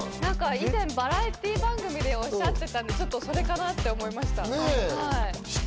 以前バラエティー番組でおっしゃってたので、それかなって思いました。